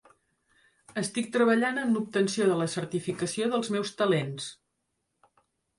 Estic treballant en l'obtenció de la certificació dels meus talents.